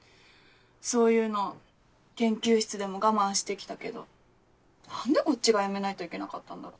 そういうの研究室でも我慢してきたけど何でこっちが辞めないといけなかったんだろ。